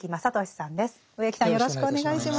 植木さんよろしくお願いします。